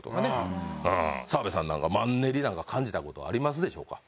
澤部さんなんかマンネリなんか感じた事ありますでしょうか？